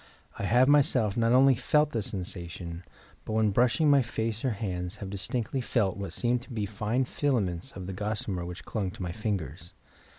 I have myself not only felt the sensation, but when brushing my face or hands have distinctly felt what seemed to be fine filaments of the gossamer which clung to my fingers.